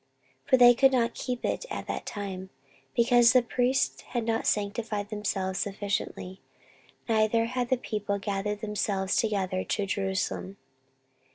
14:030:003 For they could not keep it at that time, because the priests had not sanctified themselves sufficiently, neither had the people gathered themselves together to Jerusalem.